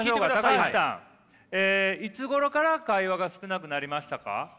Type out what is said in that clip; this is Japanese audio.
高橋さんいつごろから会話が少なくなりましたか？